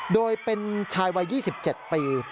โดยเป็นชายวัย๒๗ปี